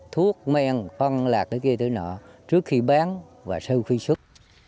thuốc men con lạc cái kia tới nọ trước khi bán và sau khi xuất